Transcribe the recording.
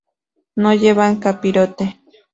No llevan capirote.